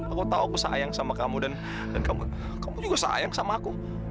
aku tahu aku sayang sama kamu dan kamu juga sayang sama aku